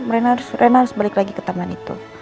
rena harus balik lagi ke taman itu